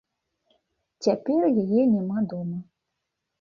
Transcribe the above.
Цяпер яе няма дома.